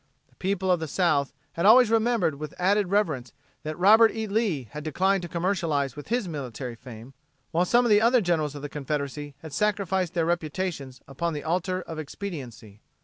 The people of the South had always remembered with added reverence that Robert E. Lee had declined to commercialize his military fame, while some of the other generals of the Confederacy had sacrificed their reputations upon the altar of expediency.